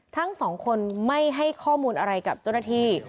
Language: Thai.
ทั้งสองคนไม่ให้ข้อมูลอะไรกับเจ้าหน้าที่